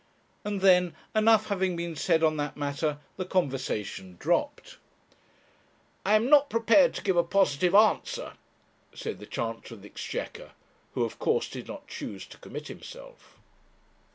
And then, enough having been said on that matter, the conversation dropped. 'I am not prepared to give a positive answer,' said the Chancellor of the Exchequer, who of course did not choose to commit himself.